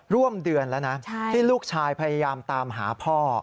ร่วมเดือนแล้วนะที่ลูกชายพยายามตามหาพ่อ